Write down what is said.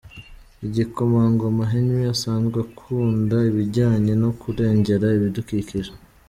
Igikomangoma Henry asanzwe akunda ibijyanye no kurengera ibidukikije.